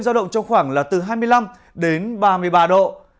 giao động trong khoảng là từ hai mươi năm đến ba mươi ba độ